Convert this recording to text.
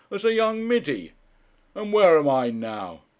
_ as a young middy. And where am I now?